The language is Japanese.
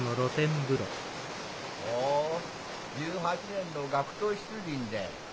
１８年の学徒出陣で？